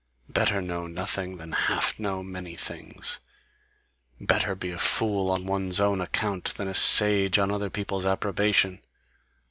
Better know nothing than half know many things! Better be a fool on one's own account, than a sage on other people's approbation!